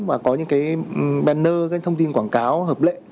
và có những cái banner cái thông tin quảng cáo hợp lệ